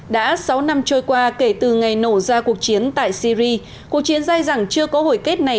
đã sáu năm trôi qua kể từ ngày nổ ra cuộc chiến tại syri cuộc chiến dài dẳng chưa có hồi kết này